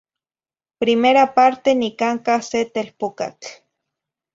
Primera parte nicancah se telpucatl.